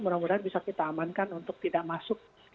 mudah mudahan bisa kita amankan untuk tidak masuk